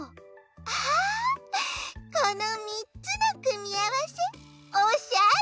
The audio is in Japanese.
あこのみっつのくみあわせおしゃれ！